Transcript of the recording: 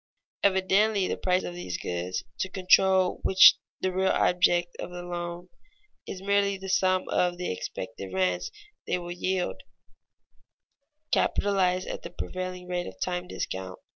Evidently the price of these goods, to control which is the real object of the loan, is merely the sum of the expected rents they will yield, capitalized at the prevailing rate of time discount.